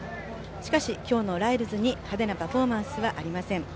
しかし、今日のライルズに派手なパフォーマンスはありません。